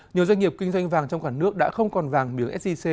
nhiều doanh nghiệp kinh doanh vàng trong cả nước đã không còn vàng miếng sgc